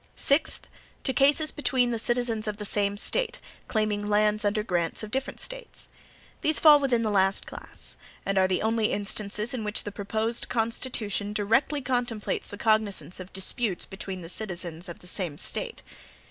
Sixth. To cases between the citizens of the same State, claiming lands under grants of different States. These fall within the last class, and are the only instances in which the proposed Constitution directly contemplates the cognizance of disputes between the citizens of the same State.